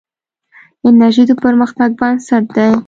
انرژي د پرمختګ بنسټ دی.